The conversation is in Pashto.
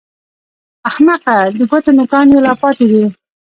احمقه! د ګوتو نوکان يې لا پاتې دي!